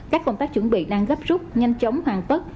các công tác chuẩn bị đang gấp rút